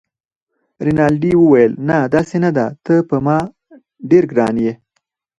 رینالډي وویل: نه، داسې نه ده، ته پر ما ډېر ګران يې.